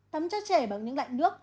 tắm cho trẻ bằng những loại nước